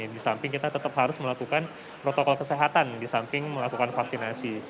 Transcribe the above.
disamping kita tetap harus melakukan protokol kesehatan disamping melakukan vaksinasi